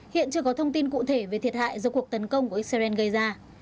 hiện chưa có thông tin cụ thể về thiệt hại do cuộc tấn công của israel gây ra